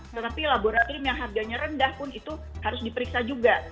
tetapi laboratorium yang harganya rendah pun itu harus diperiksa juga